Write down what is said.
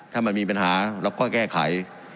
ถ้ามันมีปัญหาเราก็แก้ไข